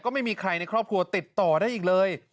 ก็ไม่มีใครในครอบครัวติดต่อได้อีกเลย